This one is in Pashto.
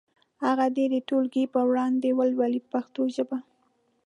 هغه دې د ټولګي په وړاندې ولولي په پښتو ژبه.